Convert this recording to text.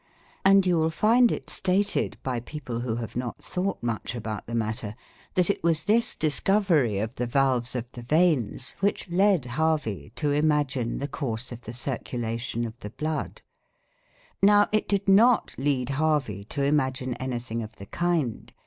And you will find it stated by people who have not thought much about the matter, that it was this discovery of the valves of the veins which led Harvey to imagine the course of the circulation of the blood. Now it did not lead Harvey to imagine anything of the kind.